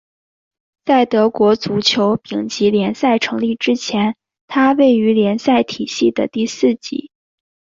在德国足球丙级联赛成立之前它位于联赛体系的第四级。